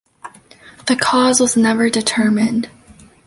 The cause was never determined.